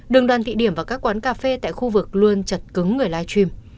đường đoàn thị điểm và các quán cà phê tại khu vực luôn chật cứng người live stream